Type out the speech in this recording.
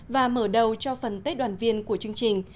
và mở đầu cho phần tết đoàn viên của chương trình